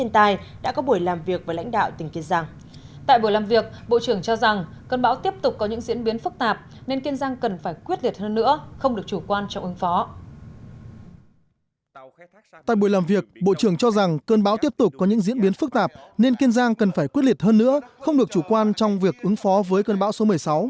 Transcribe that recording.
tại buổi làm việc bộ trưởng cho rằng cơn bão tiếp tục có những diễn biến phức tạp nên kiên giang cần phải quyết liệt hơn nữa không được chủ quan trong việc ứng phó với cơn bão số một mươi sáu